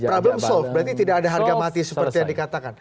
problem solve berarti tidak ada harga mati seperti yang dikatakan